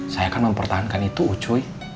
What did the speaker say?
saya akan mempertahankan itu ucuy